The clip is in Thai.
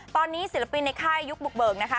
ตอนนี้ศิลปินในค่ายยุคบุกเบิกนะคะ